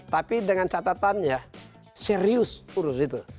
tapi dengan catatannya serius urus itu